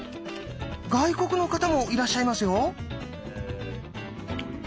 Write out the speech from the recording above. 外国の方もいらっしゃいますよ。